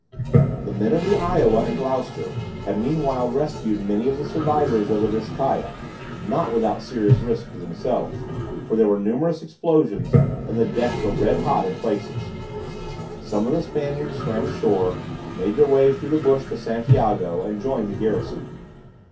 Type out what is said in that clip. The men of the "Iowa" and "Gloucester" had meanwhile rescued many of the survivors of the "Vizcaya," not without serious risk to themselves, for there were numerous explosions, and the decks were red hot in places. Some of the Spaniards swam ashore, made their way through the bush to Santiago, and joined the garrison.